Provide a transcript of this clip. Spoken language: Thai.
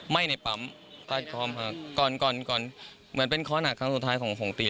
ไม่ได้ไหม้ที่ข้างทางที่มันเป็นที่อันนี้